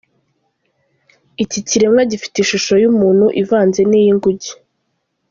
Iki kiremwa gifite ishusho y’umuntu ivanze n’iy’inguge.